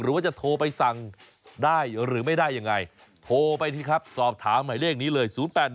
ว่าจะโทรไปสั่งได้หรือไม่ได้ยังไงโทรไปสิครับสอบถามหมายเลขนี้เลย๐๘๑